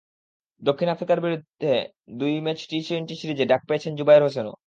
দক্ষিণ আফ্রিকার বিপক্ষে দুই ম্যাচের টি-টোয়েন্টি সিরিজে ডাক পেয়েছেন জুবায়ের হোসেনও।